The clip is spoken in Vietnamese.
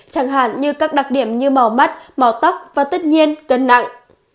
chẳng hạn như các đặc điểm như màu mắt màu tóc và tất nhiên cân nặng